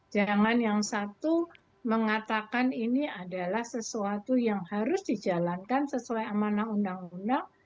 jangan yang satu mengatakan ini adalah sesuatu yang harus dijalankan sesuai amanah undang undang